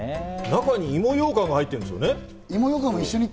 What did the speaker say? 中に芋ようかんも入ってるんですよね？